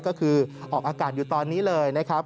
ก็คือออกอากาศอยู่ตอนนี้เลยนะครับ